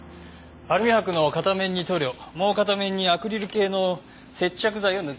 アルミ箔の片面に塗料もう片面にアクリル系の接着剤を塗ったものでした。